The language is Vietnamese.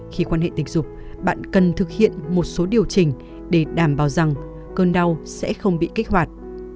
khi quan hệ tình dục bạn cần thực hiện một số điều chỉnh để đảm bảo rằng cơn đau sẽ không bị kích hoạt